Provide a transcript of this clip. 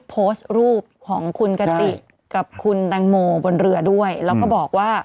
โพสต์รูปของคุณกติกับคุณแตงโมบนเรือด้วยแล้วก็บอกว่า